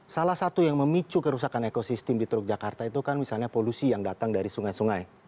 salah satu yang memicu kerusakan ekosistem di teluk jakarta itu kan misalnya polusi yang datang dari sungai sungai